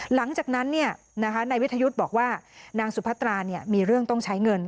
หลังจากนั้นนายวิทยุทธ์บอกว่านางสุพัตรามีเรื่องต้องใช้เงิน